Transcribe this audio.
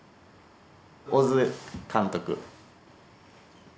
小津監督。